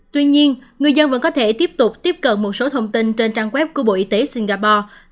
tuy nhiên người dân vẫn có thể tiếp tục tiếp cận một số thông tin trên trang web của bộ y tế singapore